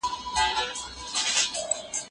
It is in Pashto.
ذمي زموږ په منځ کي د پوره حقوقو او ازادۍ خاوند دی.